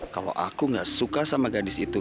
kalau aku gak suka sama gadis itu